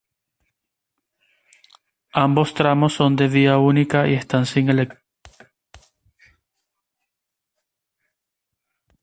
Ambos tramos son de vía única y están sin electrificar.